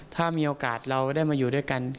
ถ้ามีโอกาสเราได้มาอยู่ด้วยกัน